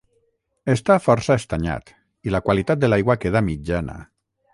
Està força estanyat i la qualitat de l'aigua queda mitjana.